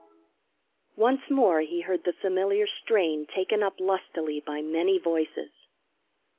Once more he heard the familiar strain taken up lustily by many voices.